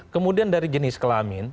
kemudian dari jenis kelamin